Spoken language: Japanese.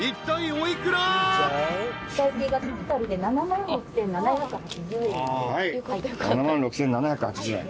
７万６，７８０円。